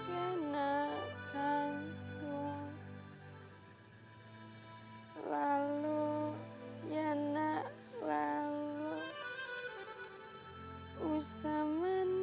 dan akan menungui kalian